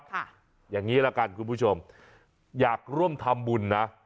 อย่างนี้ละกันคุณผู้ชมอยากร่วมทำบุญนะ